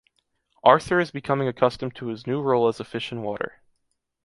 Arthur is becoming accustomed to his new role as a fish in water.